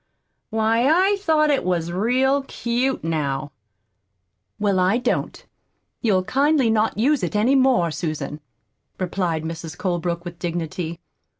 Why, I thought it was real cute, now." "Well, I don't. You'll kindly not use it any more, Susan," replied Mrs. Colebrook, with dignity.